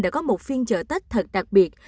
đã có một phiên chợ tết thật đặc biệt